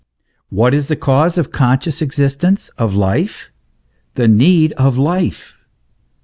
What is the cause of conscious existence, of life ? The need of life.